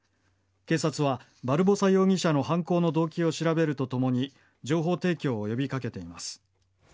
警察はバルボサ容疑者の犯行の動機を調べるとともに情報提供を呼び掛けています。